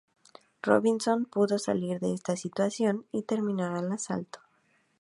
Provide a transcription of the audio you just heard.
Robinson pudo salir de esta situación y terminar el asalto.